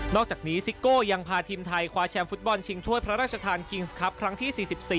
อกจากนี้ซิโก้ยังพาทีมไทยคว้าแชมป์ฟุตบอลชิงถ้วยพระราชทานคิงส์ครับครั้งที่๔๔